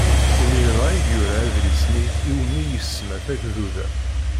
Imir dɣa i yura adlis-nni iwmi isemma Tagduda